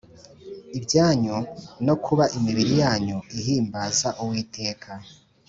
ibyanyu no kuba imibiri yanyu ihimbaza uwiteka